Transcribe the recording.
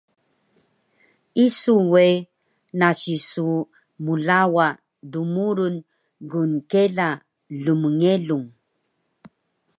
Isu we nasi su mlawa dmurun gnkela lmngelung